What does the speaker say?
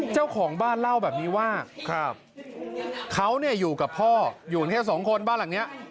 เจ้าของบ้านเล่าแบบนี้ว่าเขาอยู่กับพ่ออยู่แค่สองคนบ้านหลังนี้